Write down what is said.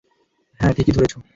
হ্যাঁ, ঠিকই ধরেছ।